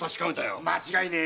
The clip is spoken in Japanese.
間違いねえ。